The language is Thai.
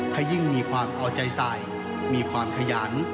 ถ้ายิ่งมีความเอาใจใส่มีความขยัน